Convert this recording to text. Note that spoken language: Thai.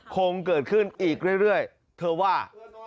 คงเกิดขึ้นอีกเรื่อยเธอว่า